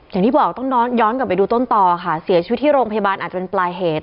อย่างที่บอกต้องย้อนกลับไปดูต้นต่อค่ะเสียชีวิตที่โรงพยาบาลอาจจะเป็นปลายเหตุ